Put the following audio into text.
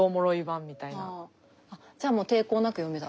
ああじゃあもう抵抗なく読めた？